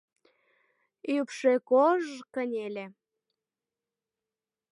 Ӱпшӧ кож-ж кынеле.